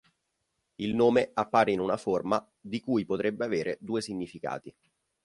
Il nome appare in una forma di cui potrebbe avere due significati.